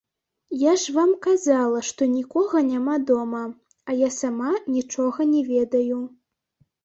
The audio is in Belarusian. Я ж вам казала, што нікога няма дома, а я сама нічога не ведаю.